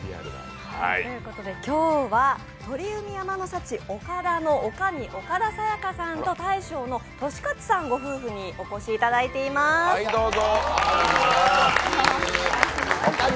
今日は鶏海山の幸おかだのおかみ岡田清香さんと大将の利勝ご夫婦にお越しいただいておりますおかみ！